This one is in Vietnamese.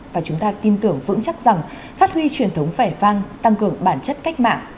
và chúng ta tin tưởng vững chắc rằng phát huy truyền thống vẻ vang tăng cường bản chất cách mạng